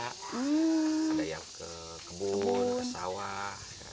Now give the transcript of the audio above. ada yang ke kebun ke sawah